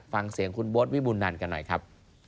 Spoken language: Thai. ฟังเสียงคุณโบ๊ทวิบุญนันกันหน่อยครับ